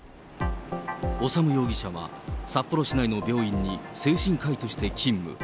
修容疑者は札幌市内の病院に精神科医として勤務。